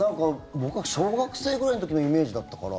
僕が小学生くらいの時のイメージだったから。